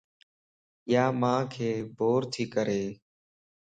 يا مانک بورتي ڪري